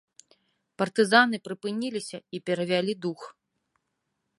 Партызаны прыпыніліся і перавялі дух.